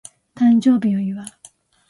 誕生日を祝う